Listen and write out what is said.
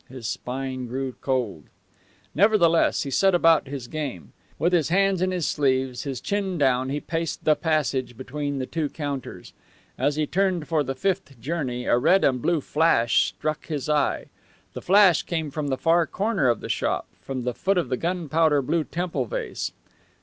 His spine grew cold. Nevertheless, he set about his game. With his hands in his sleeves, his chin down, he paced the passage between the two counters. As he turned for the fifth journey a red and blue flash struck his eye. The flash came from the far corner of the shop, from the foot of the gunpowder blue temple vase.